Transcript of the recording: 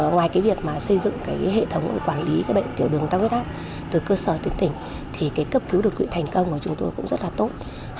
ngoài việc xây dựng hệ thống quản lý bệnh tiểu đường tăng huyết áp từ cơ sở đến tỉnh cấp cứu đột quỷ thành công của chúng tôi cũng rất tốt